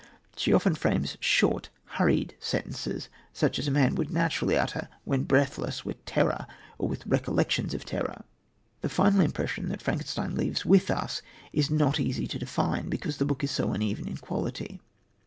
She often frames short, hurried sentences such as a man would naturally utter when breathless with terror or with recollections of terror. The final impression that Frankenstein leaves with us is not easy to define, because the book is so uneven in quality.